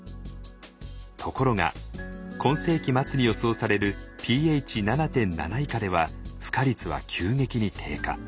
ところが今世紀末に予想されるｐＨ７．７以下では孵化率は急激に低下。